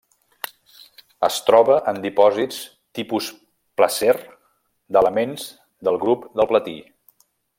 Es troba en dipòsits tipus placer d'elements del grup del platí.